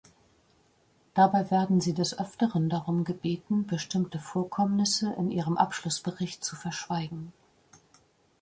Dabei werden sie des Öfteren darum gebeten, bestimmte Vorkommnisse in ihrem Abschlussbericht zu verschweigen.